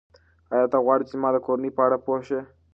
ایا ته غواړې چې زما د کورنۍ په اړه پوه شې؟